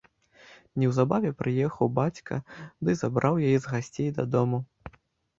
Неўзабаве прыехаў бацька ды забраў яе з гасцей дадому.